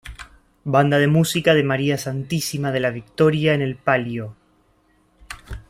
Banda de Música de María Santísima de la Victoria en el palio.